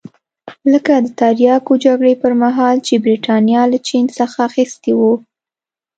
لکه د تریاکو جګړې پرمهال چې برېټانیا له چین څخه اخیستي وو.